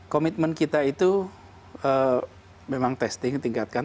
komitmen kita itu memang testing tingkatkan